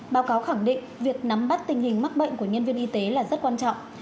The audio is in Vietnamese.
báo cáo khẳng định việc nắm bắt tình hình mắc bệnh của nhân viên y tế là rất quan trọng